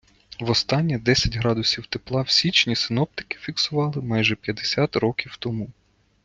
Востаннє десять градусів тепла в січні синоптики фіксували майже п'ятдесят років тому.